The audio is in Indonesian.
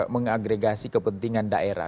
mengagregasi kepentingan daerah